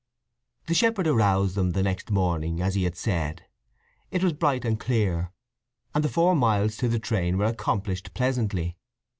The shepherd aroused them the next morning, as he had said. It was bright and clear, and the four miles to the train were accomplished pleasantly.